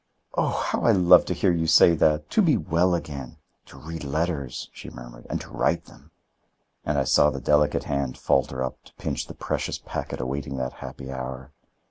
"Oh, how I love to hear you say that! To be well again! To read letters!" she murmured, "and to write them!" And I saw the delicate hand falter up to pinch the precious packet awaiting that happy hour.